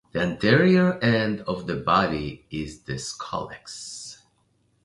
The anterior end of the body is the scolex.